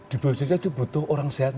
di bpjs itu butuh orang sehat